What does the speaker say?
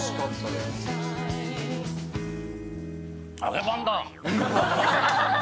揚げパンだ。